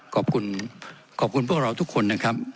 ขอบคุณขอบคุณพวกเราทุกคนนะครับ